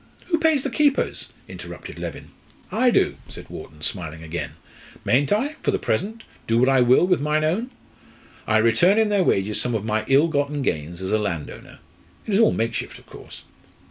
"Who pays the keepers?" interrupted Leven. "I do," said Wharton, smiling again. "Mayn't I for the present do what I will with mine own? I return in their wages some of my ill gotten gains as a landowner. It is all makeshift, of course."